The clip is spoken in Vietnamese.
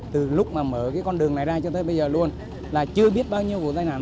từ lúc mà mở cái con đường này ra cho tới bây giờ luôn là chưa biết bao nhiêu vụ tai nạn